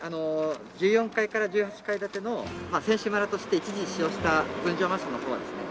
１４階から１８階建ての選手村として一時使用した分譲マンションの方はですね